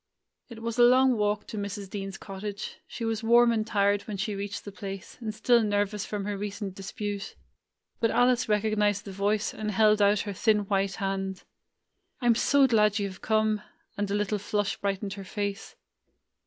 It was a long walk to Mrs. Dean's cottage. She was warm and tired when she reached the place, and still nervous from her recent dis pute. But Alice recognized the voice, and held out her thin white hand. "I 'm so glad you have come!" and a little flush brightened her face.